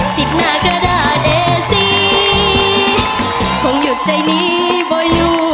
สิบหน้ากระดาษแด่สีคงหยุดใจนี้บ่อยู่